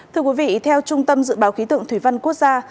thưa quý vị theo trung tâm dự báo khí tượng thủy văn quốc gia